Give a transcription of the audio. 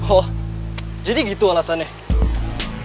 oh jadi gitu alasannya